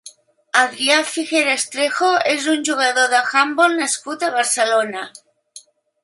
Adrià Figueras Trejo és un jugador d'handbol nascut a Barcelona.